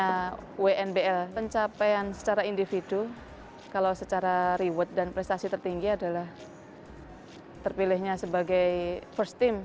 karena wnbl pencapaian secara individu kalau secara reward dan prestasi tertinggi adalah terpilihnya sebagai first team